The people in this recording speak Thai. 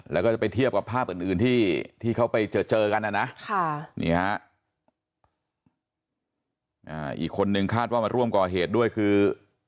แล้วก็จะไปเทียบกับภาพอื่นที่เขาไปเจอเจอกันนะนะนี่ฮะอีกคนนึงคาดว่ามาร่วมก่อเหตุด้วยคือ